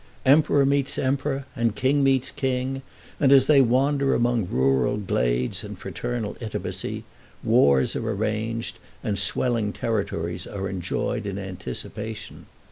Emperor meets Emperor, and King meets King, and as they wander among rural glades in fraternal intimacy, wars are arranged, and swelling territories are enjoyed in anticipation.